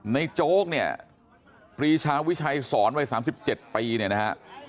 ในโจ๊กเนี่ยปรีชาวิชัยสอนไว้๓๗ปีนะฮะ